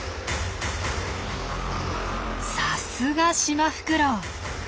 さすがシマフクロウ。